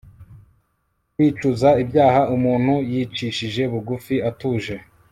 kwicuza ibyaha umuntu yicishize bugufi atuje